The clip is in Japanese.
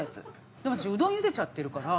でも私うどんゆでちゃってるから。